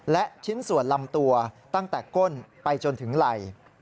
และชิ้นส่วนลำตัวตั้งแต่ก้นไปจนถึงไหล่